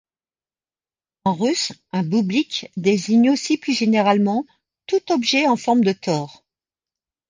En russe, un boublik désigne aussi plus généralement tout objet en forme de tore.